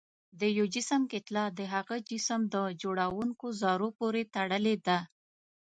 د یو جسم کتله د هغه جسم د جوړوونکو ذرو پورې تړلې ده.